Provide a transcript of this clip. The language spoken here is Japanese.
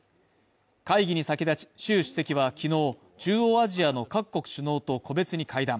会議に先立ち、習主席は昨日中央アジアの各国首脳と個別に会談。